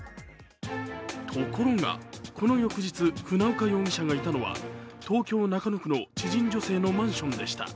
ところが、この翌日、船岡容疑者がいたのは、東京・中野区の知人女性のマンションでした。